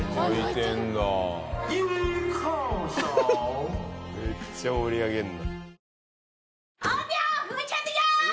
めっちゃ盛り上げるんだ。